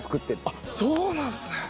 「あっそうなんですね！」